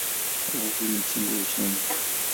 Uvuvi ni msingi wa uchumi.